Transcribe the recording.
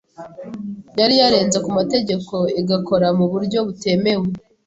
yari yarenze ku mategeko igakora mu buryo butemewe